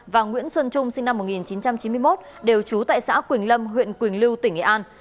và nguyễn xuân trung sinh năm một nghìn chín trăm chín mươi một đều trú tại xã quỳnh lâm huyện quỳnh lưu tỉnh nghệ an